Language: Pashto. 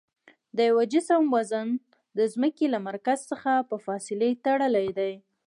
د یوه جسم وزن د ځمکې له مرکز څخه په فاصلې تړلی دی.